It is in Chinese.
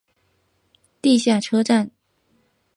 地下车站。